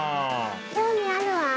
興味あるわ。